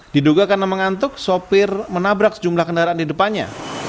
diduga karena mengantuk sopir menabrak sejumlah kendaraan di depannya